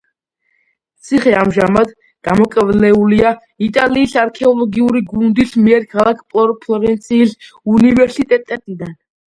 ციხე ამჟამად გამოკვლეულია იტალიის არქეოლოგიური გუნდის მიერ ქალაქ ფლორენციის უნივერსიტეტიდან.